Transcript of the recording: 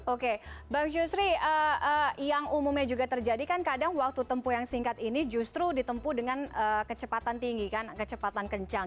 oke bang yusri yang umumnya juga terjadi kan kadang waktu tempuh yang singkat ini justru ditempuh dengan kecepatan tinggi kan kecepatan kencang